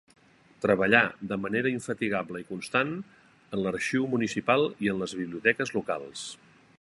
Treballà de manera infatigable i constant en l'Arxiu Municipal i en les biblioteques locals.